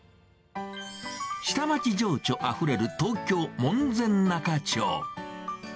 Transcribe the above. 下町情緒あふれる東京・門前仲町。